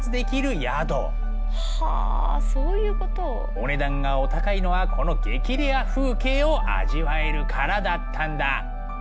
お値段がお高いのはこの激レア風景を味わえるからだったんだ。